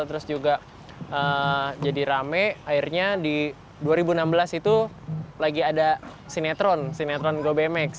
terus juga jadi rame akhirnya di dua ribu enam belas itu lagi ada sinetron sinetron go bmx